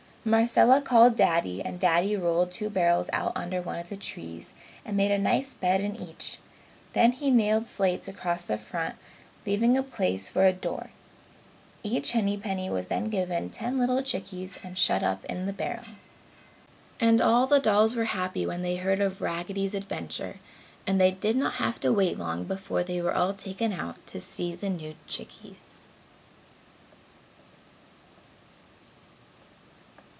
Marcella called Daddy and Daddy rolled two barrels out under one of the trees and made a nice bed in each. Then he nailed slats across the front, leaving a place for a door. Each Hennypennie was then given ten little chickies and shut up in the barrel. And all the dolls were happy when they heard of Raggedy's adventure and they did not have to wait long before they were all taken out to see the new chickies.